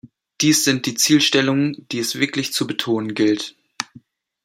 Dies sind die Zielstellungen, die es wirklich zu betonen gilt.